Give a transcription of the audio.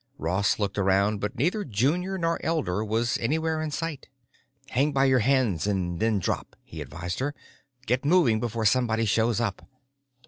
Ross looked around, but neither junior nor elder was anywhere in sight. "Hang by your hands and then drop," he advised her. "Get moving before somebody shows up."